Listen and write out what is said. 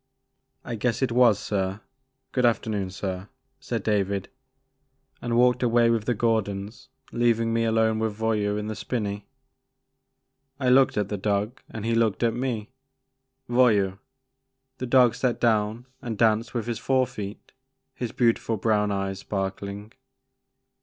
'I guess it was sir ; good afternoon sir," said David, and walked away with the Gordons leav ing me alone with Voyou in the spinney. I looked at the dog and he looked at me. *' Voyou!*' The dog sat down and danced with his fore feet, his beautiful brown eyes sparkling.